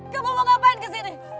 kamu mau ngapain ke sini